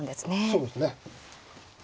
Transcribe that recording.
そうですね。